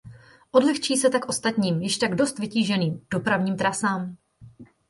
Odlehčí se tak ostatním, již tak dost vytíženým, dopravním trasám.